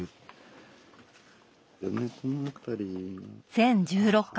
全１６巻。